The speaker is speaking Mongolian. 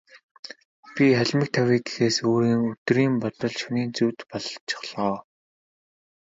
Би халимаг тавья гэхээс өдрийн бодол, шөнийн зүүд болчихлоо.